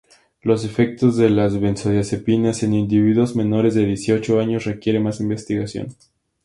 Los efectos de las benzodiazepinas en individuos menores de dieciocho años requiere más investigación.